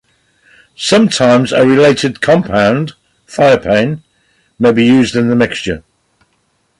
Sometimes a related compound, thiophane, may be used in the mixture.